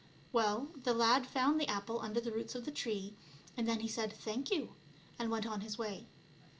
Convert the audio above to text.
Well, the lad found the apple under the roots of the tree, and then he said " thank you," and went on his way.